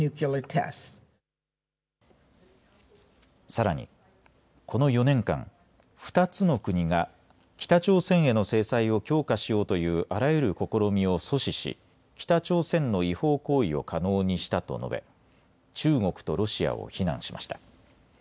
さらに、この４年間、２つの国が北朝鮮への制裁を強化しようというあらゆる試みを阻止し北朝鮮の違法行為を可能にしたと述べ中国とロシアを非難しました。